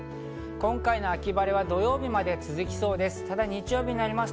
今回の秋晴れは土曜日まで続きそうです。